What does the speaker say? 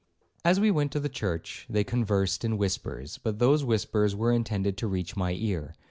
'As we went to the church, they conversed in whispers, but those whispers were intended to reach my ear.